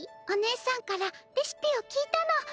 お姉さんからレシピを聞いたの。